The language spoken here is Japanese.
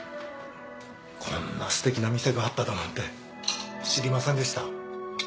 こんなすてきな店があっただなんて知りませんでした。